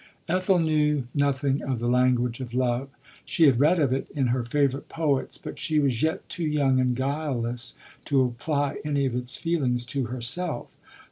Ethel knew nothing of the language of lov< She had read of it in her favourite poets; but she was yet too young and guileless to apply any of its feelings to herself.